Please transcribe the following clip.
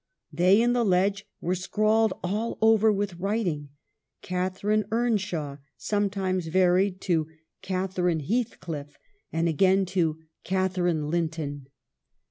They and the ledge were scrawled all over with writing, Catharine Earnshaw, sometimes varied to Catharine Heath 1 WUTHERING HEIGHTS? 229 cliff, and again to Catharine Linton.